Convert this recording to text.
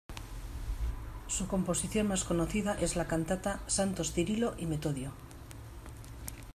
Su composición más conocida es la cantata "Santos Cirilo y Metodio".